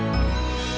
cu dibagiin atuh cu